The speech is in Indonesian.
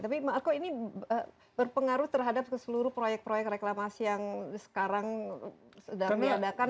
tapi kok ini berpengaruh terhadap seluruh proyek proyek reklamasi yang sekarang sedang diadakan